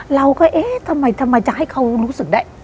เราก็เอ๊ะทำไมจะให้เขารู้สึกได้